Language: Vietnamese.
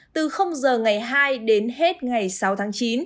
từ giờ ngày hai đến hết ngày sáu tháng chín